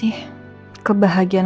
oh enggak pengen